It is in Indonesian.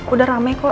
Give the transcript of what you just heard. udah rame kok